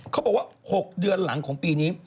เขาบอกว่า๖เดือนหลังของปีนี้